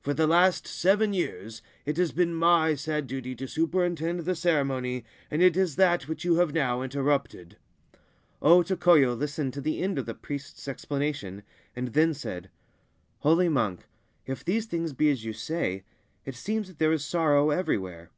For the last seven years it has been my sad duty to superintend the ceremony, and it is that which you have now interrupted/ O Tokoyo listened to the end of the priest's explanation, and then said :* Holy monk, if these things be as you say, it seems that there is sorrow everywhere.